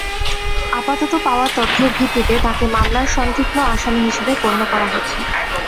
আপাতত পাওয়া তথ্যের ভিত্তিতে তাঁকে মামলার সন্দিগ্ধ আসামি হিসেবে গণ্য করা হচ্ছে।